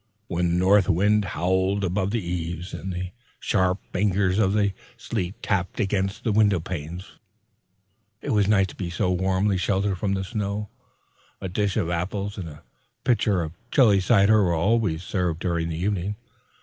When the north wind howled about the eaves, and the sharp fingers of the sleet tapped against the window panes, it was nice to be so warmly sheltered from the storm. A dish of apples and a pitcher of chilly cider were always served during the evening.